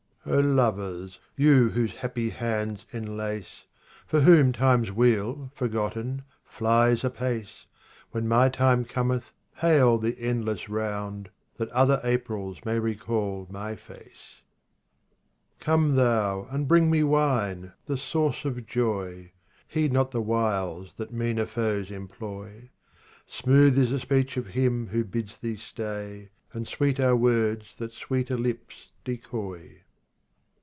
40 RUBA'IYAT OF HAFIZ lovers, you whose happy hands enlace, For whom Time's wheel, forgotten, flies apace, When my time cometh hail the endless round, That other Aprils may recall my face. Come thou, and bring me wine, the source of joy ; Heed not the wiles that meaner foes employ. Smooth is the speech of him who bids thee stay, And sweet are words that sweeter lips decoy.